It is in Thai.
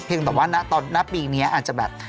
เพียงแต่ว่าตอนหน้าปีนี้อาจจะแบบ